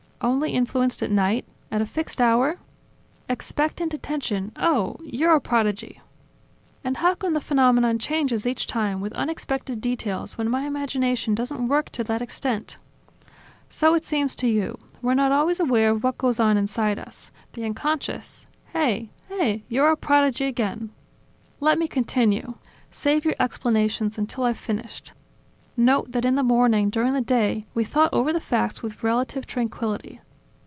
"Only influenced at night? At a fixed hour?" "Expectant attention, oh! You're a prodigy." "And how come the phenomenon changes each time, with unexpected details, when my imagination doesn't work to that extent?" "So it seems to you. We're not always aware of what goes on inside us. The unconscious! Eh! Eh! You're a prodigy again." "Let me continue. Save your explanations until I've finished. Note that in the morning, during the day, we thought over the facts with relative tranquility.